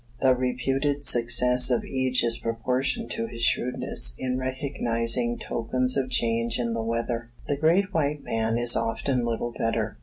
The reputed success of each is proportioned to his shrewdness in recognizing tokens of change in the weather. The great white man is often little better.